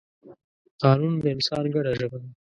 قانون د انسان ګډه ژبه ده.